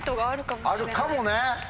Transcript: あるかもね！